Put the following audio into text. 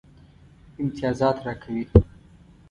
امتیازات راکوي.